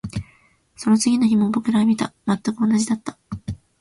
その次の日も僕らは見た。全く同じだった。